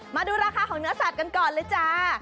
มาดูราคาของเนื้อสัตว์กันก่อนเลยจ้า